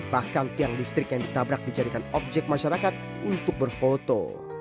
bahkan tiang listrik yang ditabrak dijadikan objek masyarakat untuk berfoto